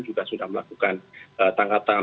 juga sudah melakukan tanggap tangan